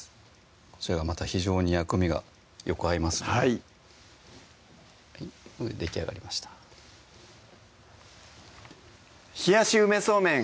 こちらがまた非常に薬味がよく合いますのでこれでできあがりました「冷やし梅そうめん」